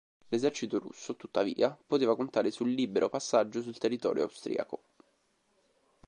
L'esercito russo, tuttavia, poteva contare sul libero passaggio sul territorio austriaco.